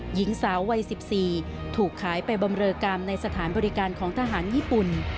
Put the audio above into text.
หญิงสาววัย๑๔ถูกขายไปบำเริกรรมในสถานบริการของทหารญี่ปุ่น